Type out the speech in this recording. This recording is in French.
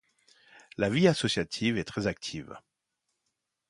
La vie associative est très active.